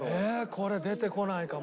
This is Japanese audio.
これ出てこないかも。